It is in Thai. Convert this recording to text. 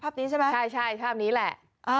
นี้ใช่ไหมใช่ภาพนี้แหละ